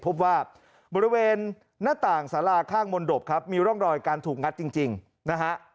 พบว่าบริเวณหน้าต่างสาราข้างมนตบครับมีร่องรอยการถูกงัดจริงนะฮะ